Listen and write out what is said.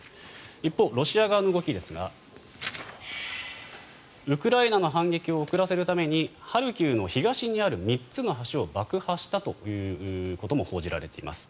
一方、ロシア側の動きですがウクライナの反撃を遅らせるためにハルキウの東にある３つの橋を爆破したということも報じられています。